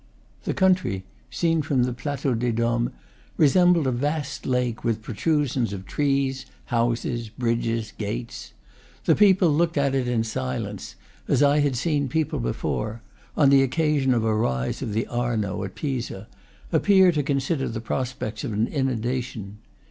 The country, seen from the Plateau des Doms, re sembled a vast lake, with protrusions of trees, houses, bridges, gates. The people looked at it in silence, as I had seen people before on the occasion of a rise of the Arno, at Pisa appear to consider the prospects of an inundation.